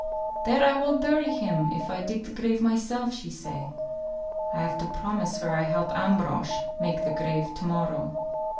'There I will bury him, if I dig the grave myself,' she say. I have to promise her I help Ambrosch make the grave to morrow."